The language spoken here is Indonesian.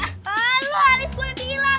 ah lu alis gue udah hilang